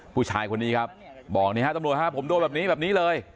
ผู้ชายคนนี้ครับบอกนี่ฮะตำรวจฮะผมโดนแบบนี้แบบนี้เลย